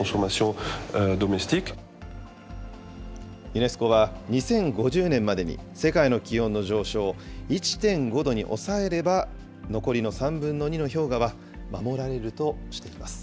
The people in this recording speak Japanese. ユネスコは、２０５０年までに世界の気温の上昇を１．５度に抑えれば、残りの３分の２の氷河は守られるとしています。